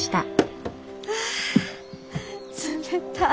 あ冷たっ！